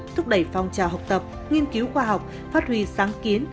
thúc đẩy phong trào học tập nghiên cứu khoa học phát huy sáng kiến